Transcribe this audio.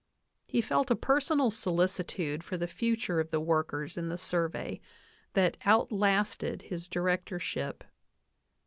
He felt a personal solicitude for the future of the workers in the Survey that outlasted his director ship.